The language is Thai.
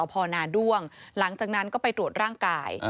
พอนาด้วงหลังจากนั้นก็ไปตรวจร่างกาย